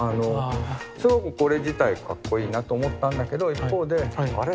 すごくこれ自体かっこいいなと思ったんだけど一方であれ？